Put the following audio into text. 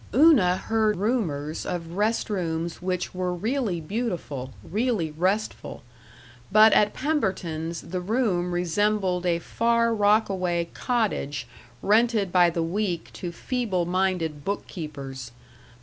Una heard rumors of rest rooms which were really beautiful, really restful; but at Pemberton's the room resembled a Far Rockaway cottage rented by the week to feeble minded bookkeepers.